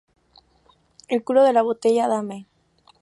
el culo de la botella. dame.